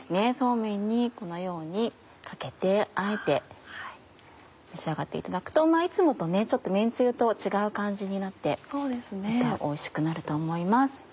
そうめんにこのようにかけてあえて召し上がっていただくといつもとちょっと麺つゆと違う感じになってまたおいしくなると思います。